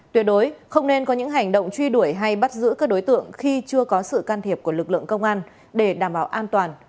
tuyệt đối không nên có những hành động truy đuổi hay bắt giữ các đối tượng khi chưa có sự can thiệp của lực lượng công an để đảm bảo an toàn